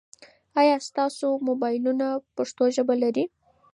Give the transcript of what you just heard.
آیا ستاسو موبایلونه پښتو ژبه لري؟